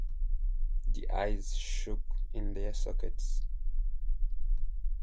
The eyes shook in their sockets.